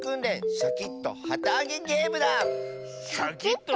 シャキットはたあげゲーム？